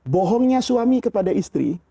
bohongnya suami kepada istri